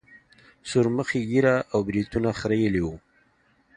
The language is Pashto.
سورمخي ږيره او برېتونه خرييلي وو.